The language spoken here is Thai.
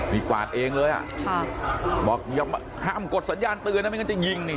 นี่กวาดเองเลยอ่ะค่ะบอกอย่าห้ามกดสัญญาณเตือนนะไม่งั้นจะยิงนี่